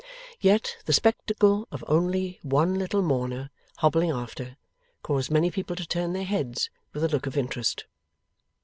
Yet, the spectacle of only one little mourner hobbling after, caused many people to turn their heads with a look of interest.